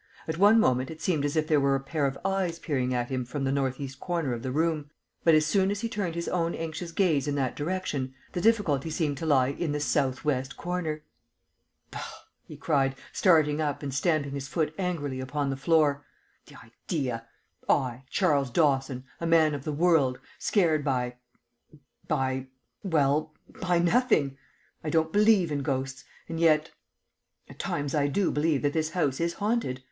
At one moment it seemed as if there were a pair of eyes peering at him from the northeast corner of the room, but as soon as he turned his own anxious gaze in that direction the difficulty seemed to lie in the southwest corner. "Bah!" he cried, starting up and stamping his foot angrily upon the floor. "The idea! I, Charles Dawson, a man of the world, scared by by well, by nothing. I don't believe in ghosts and yet at times I do believe that this house is haunted.